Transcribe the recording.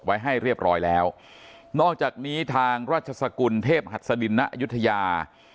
ไว้ให้เรียบร้อยแล้วนอกจากนี้ทางราชสกุลเทพหัสดินณอายุทยา